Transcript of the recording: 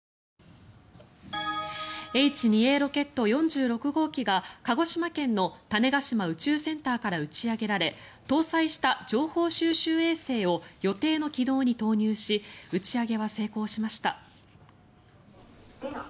Ｈ２Ａロケット４６号機が鹿児島県の種子島宇宙センターから打ち上げられ搭載した情報収集衛星を予定の軌道に投入し打ち上げは成功しました。